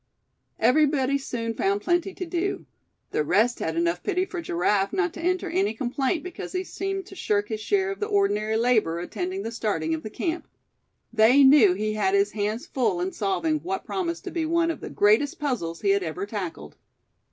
Everybody soon found plenty to do. The rest had enough pity for Giraffe not to enter any complaint because he seemed to shirk his share of the ordinary labor attending the starting of the camp. They knew he had his hands full in solving what promised to be one of the greatest puzzles he had ever tackled.